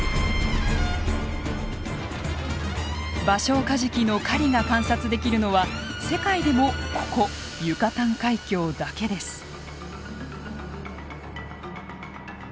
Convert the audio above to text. バショウカジキの狩りが観察できるのは世界でもここユカタン海峡だけです。